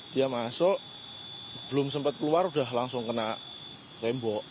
dia masuk belum sempat keluar udah langsung kena tembok